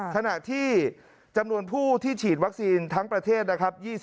ขณะที่จำนวนผู้ที่ฉีดวัคซีนทั้งประเทศนะครับ